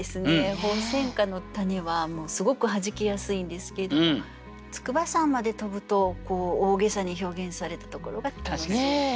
鳳仙花の種はすごく弾けやすいんですけど「筑波山まで飛ぶ」と大げさに表現されたところが楽しい。